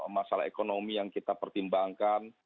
masalah ekonomi yang kita pertimbangkan